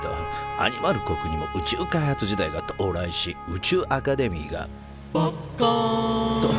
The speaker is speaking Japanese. アニマル国にも宇宙開発時代が到来し宇宙アカデミーが「ばっかん！」と誕生。